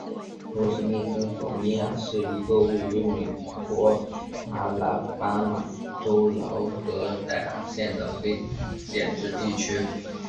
罗史密森索尼亚是一个位于美国阿拉巴马州劳德代尔县的非建制地区。